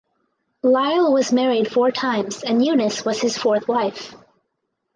Lyle was married four times and Eunice was his fourth wife.